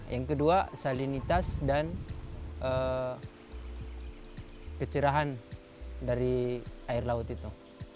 yang kedua salinitas dan kecerahan dari air laut itu